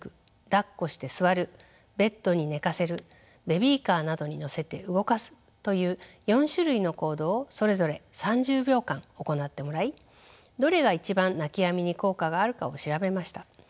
だっこして座るベッドに寝かせるベビーカーなどに乗せて動かすという４種類の行動をそれぞれ３０秒間行ってもらいどれが一番泣きやみに効果があるかを調べました。